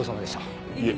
いえ。